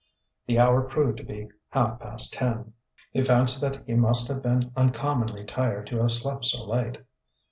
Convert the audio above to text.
The hour proved to be half past ten. He fancied that he must have been uncommonly tired to have slept so late.